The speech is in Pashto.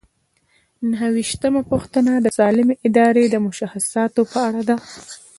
نهه ویشتمه پوښتنه د سالمې ادارې د مشخصاتو په اړه ده.